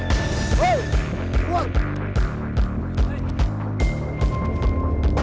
terima kasih ibu